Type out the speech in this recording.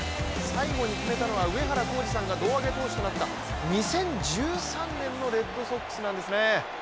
最後に決めたのは、上原浩治さんが胴上げ投手となった２０１３年のレッドソックスなんですね。